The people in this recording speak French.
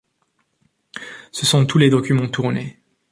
Ce sont tous les documents tournés.